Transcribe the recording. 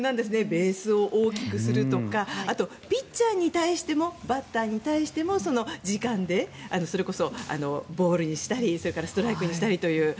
ベースを大きくするとかあと、ピッチャーに対してもバッターに対しても、時間でそれこそボールにしたりそれからストライクにしたりという。